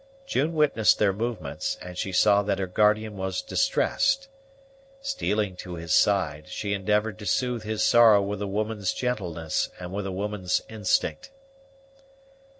June witnessed their movements, and she saw that her guardian was distressed. Stealing to his side, she endeavored to soothe his sorrow with a woman's gentleness and with a woman's instinct.